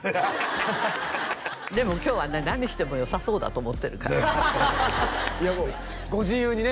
でも今日はね何してもよさそうだと思ってるからいやもうご自由にね